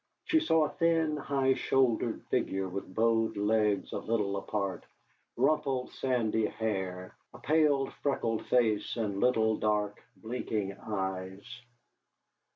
She saw a thin, high shouldered figure, with bowed legs a little apart, rumpled sandy hair, a pale, freckled face, and little dark blinking eyes.